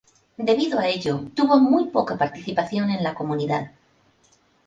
Debido a ello tuvo muy poca participación en la comunidad.